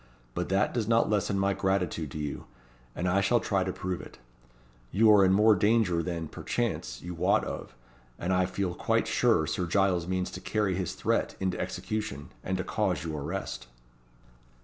But that does not lessen my gratitude to you; and I shall try to prove it. You are in more danger than, perchance, you wot of; and I feel quite sure Sir Giles means to carry his threat into execution, and to cause your arrest."